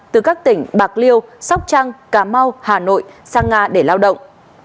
từ các tỉnh bạc liêu sóc trăng cà mau hà nội sang nga để lao động